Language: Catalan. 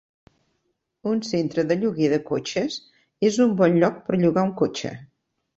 Un centre de lloguer de cotxes és un bon lloc per llogar un cotxe